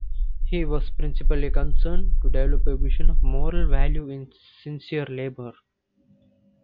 He was principally concerned to develop a vision of moral value in sincere labour.